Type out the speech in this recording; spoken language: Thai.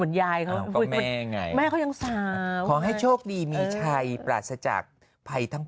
เหมือนยายเขาแม่เขายังสาวขอให้โชคดีมีชัยปราศจากภัยทั้ง